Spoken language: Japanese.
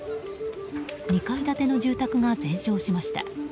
２階建ての住宅が全焼しました。